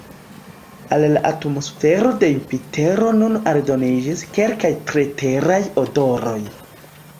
Al la atmosfero de Jupitero nun aldoniĝis kelkaj tre Teraj odoroj.